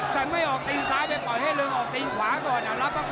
แต่ไม่ออกตีนซ้าย